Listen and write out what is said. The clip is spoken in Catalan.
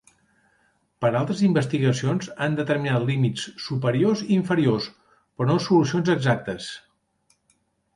Per a altres investigacions han determinat límits superiors i inferiors, però no solucions exactes.